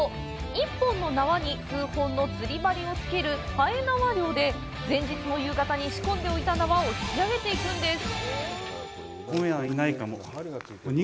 一本の縄に数本の釣り針をつけるはえなわ漁で、前日の夕方に仕込んでおいた縄を引き上げていくんです。